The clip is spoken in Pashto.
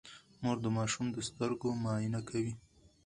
مور د ماشومانو د سترګو معاینه کوي.